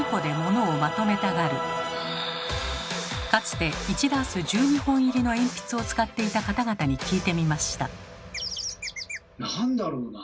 かつて１ダース１２本入りの鉛筆を使っていた方々に聞いてみました。